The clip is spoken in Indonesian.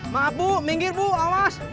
maaf bu minggir bu awas